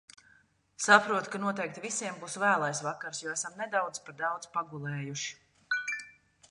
Saprotu, ka noteikti visiem būs vēlais vakars, jo esam nedaudz par daudz pagulējuši.